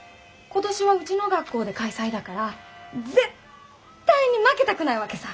今年はうちの学校で開催だから絶対に負けたくないわけさ。